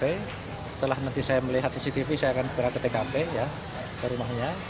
setelah nanti saya melihat cctv saya akan segera ke tkp ke rumahnya